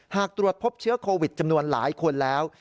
หากตรวจพบเชื้อโควิดจำนวนหลายคนแล้ว